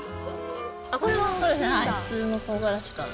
これはそうですね普通の唐辛子かな。